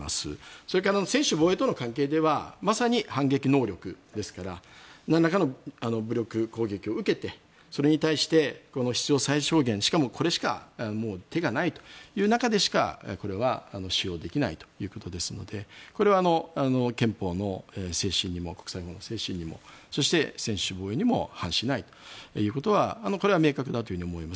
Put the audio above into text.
それから専守防衛との関係ではまさに反撃能力ですからなんらかの武力攻撃を受けてそれに対して必要最小限しかもこれしかもう手がないという中でしかこれは使用できないということですのでこれは憲法の精神にも国際法の精神にもそして専守防衛にも反しないというのはこれは明確だと思います。